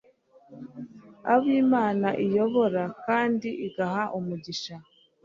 abo imana iyobora kandi igaha umugisha